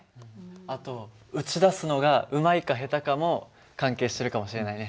あと撃ち出すのがうまいか下手かも関係してるかもしれないね。